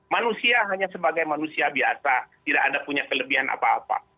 manusia hanya sebagai manusia biasa tidak ada punya kelebihan apa apa